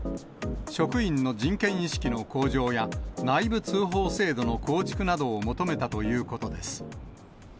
職員の人権意識の向上や、内部通報制度の構築などを求めたということです。